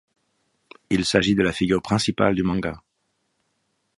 Il s’agit de la figure principale du manga.